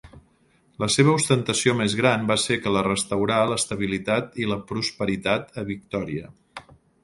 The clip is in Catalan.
La seva ostentació més gran va ser que la restaurar l"estabilitat i la prosperitat a Victoria.